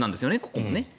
ここも。